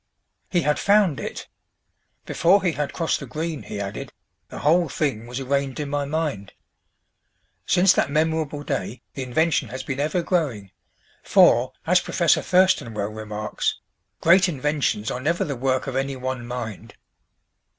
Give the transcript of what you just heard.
He had found it! Before he had crossed the Green, he added, "the whole thing was arranged in my mind." Since that memorable day the invention has been ever growing; for, as Professor Thurston well remarks: "Great inventions are never the work of any one mind."